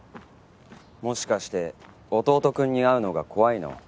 もしかして弟くんに会うのが怖いの？